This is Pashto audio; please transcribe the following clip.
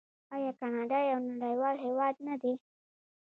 آیا کاناډا یو نړیوال هیواد نه دی؟